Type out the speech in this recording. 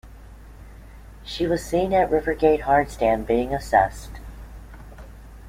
She was seen at RiverGate hardstand being assessed.